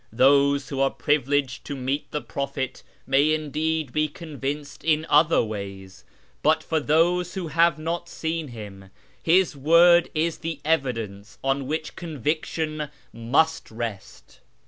Those who are privileged to meet the prophet may indeed be convinced in other ways, but for those who have not seen him his word is the evidence on wdricli conviction must rest.